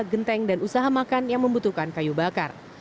genteng dan usaha makan yang membutuhkan kayu bakar